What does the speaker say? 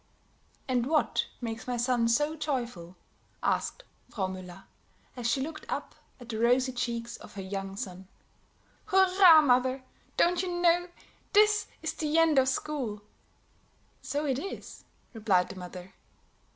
"And what makes my son so joyful?" asked Frau Müller, as she looked up at the rosy cheeks of her young son. "Hurrah, mother! Don't you know? This is the end of school." "So it is," replied the mother.